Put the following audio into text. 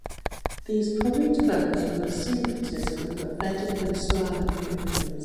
These probably developed from a syncretism of Vedic and Sramanic influences.